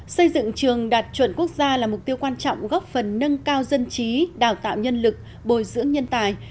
xây dựng trường đạt chuẩn quốc gia là mục tiêu quan trọng góp phần nâng cao dân trí đào tạo nhân lực bồi dưỡng nhân tài